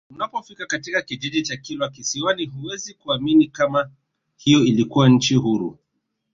Unapofika katika kijiji cha Kilwa Kisiwani huwezi kuamini kama hiyo ilikuwa nchi huru